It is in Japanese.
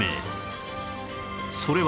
それは